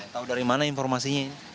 tahu dari mana informasinya